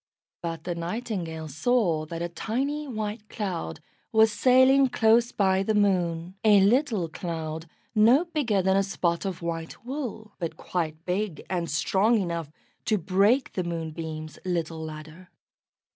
But the Nightingale saw that a tiny white cloud was sailing close by the Moon a little cloud no bigger than a spot of white wool, but quite big and strong enough to break the Moonbeam's little ladder.